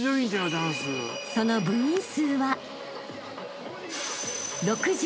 ［その部員数は］